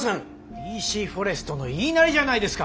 ＤＣフォレストの言いなりじゃないですか！